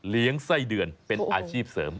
เลี้ยงไส้เดือนเป็นอาชีพเสริม